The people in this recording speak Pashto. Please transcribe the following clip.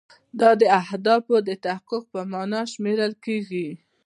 دا د اهدافو د تحقق په معنا شمیرل کیږي.